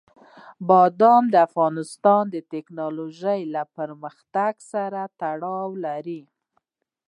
بادام د افغانستان د تکنالوژۍ له پرمختګ سره تړاو لري.